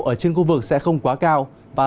ở trên khu vực sẽ không quá cao và